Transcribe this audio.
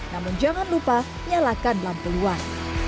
namun jangan lupa nyalakan lampu luar